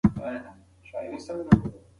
انا هغه ته وویل چې له دې ځایه ووځه.